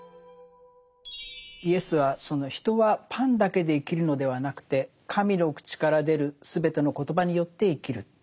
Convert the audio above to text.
イエスは「人はパンだけで生きるのではなくて神の口から出る全ての言葉によって生きる」というふうに言ってましたね。